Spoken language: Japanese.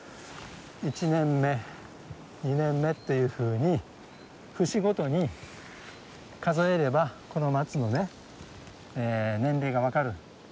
１年目２年目っていうふうに節ごとに数えればこの松のね年齢が分かる。